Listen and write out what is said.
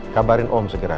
kabarin om segera